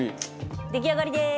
出来上がりです！